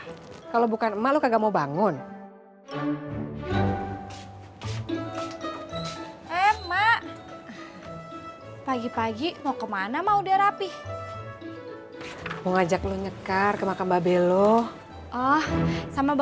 hai emak pagi pagi mau kemana mau udah rapih mau ngajak lo nyekar ke makan babelo sama